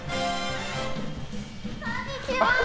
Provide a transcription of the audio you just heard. こんにちは！